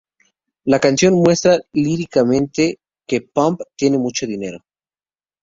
La canción muestra líricamente que Pump tiene mucho dinero.